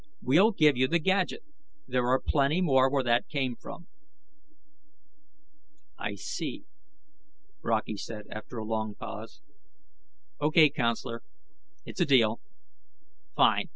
We'll give you the gadget. There are plenty more where that came from." "I see," Brockey said after a long pause. "O.K., counselor. It's a deal." "Fine.